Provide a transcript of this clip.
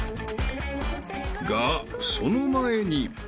［がその前に］